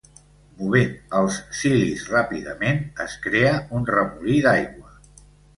Movent els cilis ràpidament, es crea un remolí d'aigua.